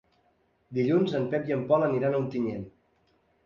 Dilluns en Pep i en Pol aniran a Ontinyent.